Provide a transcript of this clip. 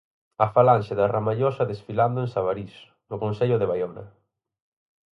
A Falanxe da Ramallosa desfilando en Sabarís, no concello de Baiona.